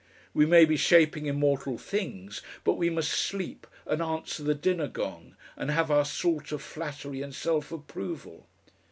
We may be shaping immortal things, but we must sleep and answer the dinner gong, and have our salt of flattery and self approval.